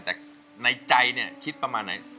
แต่ในใจคิดประมาณไหน